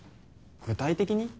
具体的に？